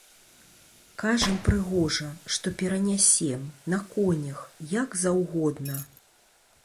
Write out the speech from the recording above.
Кажам прыгожа, што перанясем, на конях, як заўгодна.